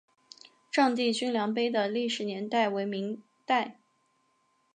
丈地均粮碑的历史年代为明代。